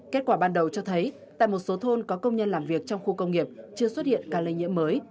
kết quả ban đầu cho thấy tại một số thôn có công nhân làm việc trong khu công nghiệp chưa xuất hiện ca lây nhiễm mới